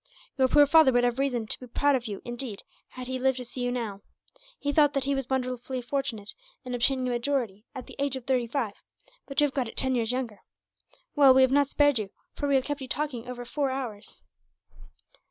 Your poor father would have reason to be proud of you, indeed, had he lived to see you now. He thought that he was wonderfully fortunate, in obtaining a majority at the age of thirty five; but you have got it ten years younger. "Well, we have not spared you, for we have kept you talking over four hours."